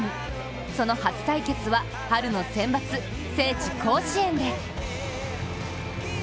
その初対決は春の選抜、聖地・甲子園で。